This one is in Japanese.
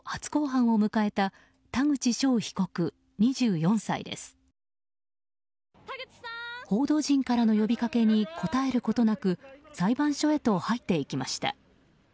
報道陣からの呼びかけに答えることなく裁判所へと入っていきました。